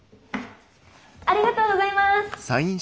ありがとうございます！